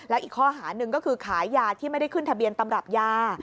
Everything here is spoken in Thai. แล้วอีกข้อหาหนึ่งก็คือขายยาที่ไม่ได้ขึ้นทะเบียนตำรับยา